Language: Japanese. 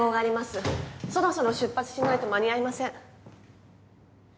そろそろ出発しないと間に合いません。